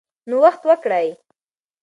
نوښت وکړئ.